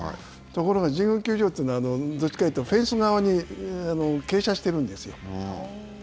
ところが神宮球場というのは、どっちかというとフェンス側に傾斜してるんですよ。